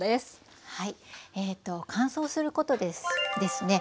はい乾燥することでですね